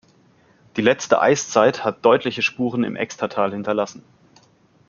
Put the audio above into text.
Die letzte Eiszeit hat deutliche Spuren im Extertal hinterlassen.